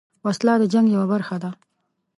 وسله د جنګ یوه برخه ده